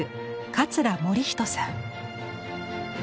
桂盛仁さん。